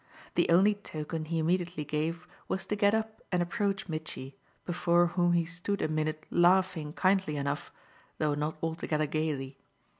The only token he immediately gave was to get up and approach Mitchy, before whom he stood a minute laughing kindly enough, though not altogether gaily.